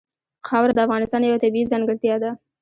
خاوره د افغانستان یوه طبیعي ځانګړتیا ده.